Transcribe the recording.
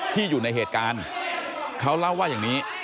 อยู่ในเหตุการณ์เขาเล่าว่าอย่างนี้